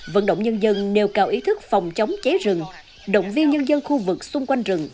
vận động nhân dân nêu cao ý thức phòng chống cháy rừng động viên nhân dân khu vực xung quanh rừng